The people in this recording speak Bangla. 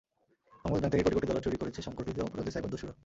বাংলাদেশ ব্যাংক থেকে কোটি কোটি ডলার চুরি করেছে সংগঠিত অপরাধী সাইবার দস্যুরা।